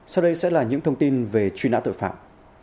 sau đây sẽ là những thông tin về truy nã tội phạm